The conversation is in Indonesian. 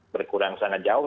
berkurang sangat jauh